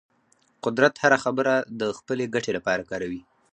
قدرت هره خبره د خپلې ګټې لپاره کاروي.